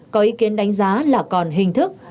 có ý kiến đánh giá là còn hình thức